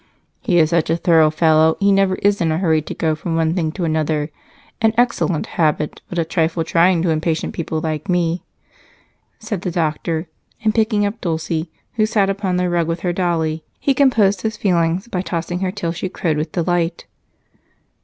"He is such a thorough fellow, he never is in a hurry to go from one thing to another. An excellent habit, but a trifle trying to impatient people like me," said the doctor and, picking up Dulce, who sat upon the rug with her dolly, he composed his feelings by tossing her till she crowed with delight.